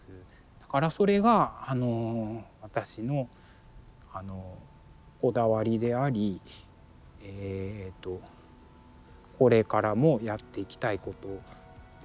だからそれが私のこだわりでありこれからもやっていきたいことですね。